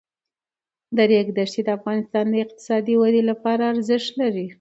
د ریګ دښتې د افغانستان د اقتصادي ودې لپاره ارزښت لري.